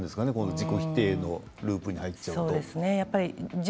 自己否定のループに入っちゃうと。